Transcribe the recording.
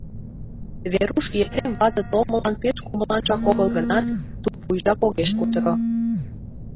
Веруш Епрем вате толмылан пеш кумылынжак огыл гынат, тупуйжак огеш кутыро.